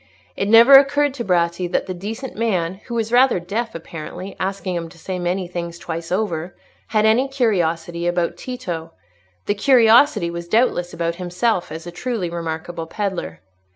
It never occurred to Bratti that the decent man (who was rather deaf, apparently, asking him to say many things twice over) had any curiosity about Tito; the curiosity was doubtless about himself, as a truly remarkable pedlar.